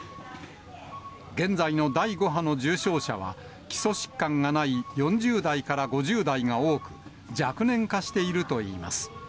現在の第５波の重症者は、基礎疾患がない４０代から５０代が多く、若年化しているといいます。